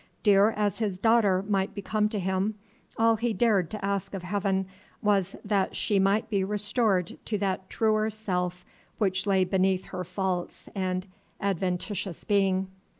Dear as his daughter might become to him, all he dared to ask of Heaven was that she might be restored to that truer self which lay beneath her false and adventitious being.